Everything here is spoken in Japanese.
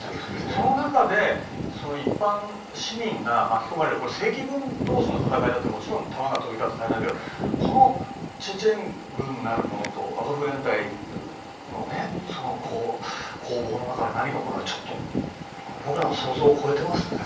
その中で一般市民が巻き込まれる正規軍同士の戦いだってもちろん弾が飛び交って大変だけどこのチェチェン軍なるものとアゾフ連隊のその攻防の中で何が行われるのかちょっと僕らの想像を超えていますね。